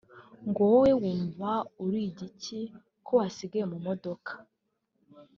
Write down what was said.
ngo wowe wumva uri igiki ko wasigaye mu modoka